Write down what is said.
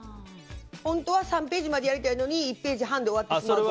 本当は３ページまでやりたいのに１ページ半で終わったりとか。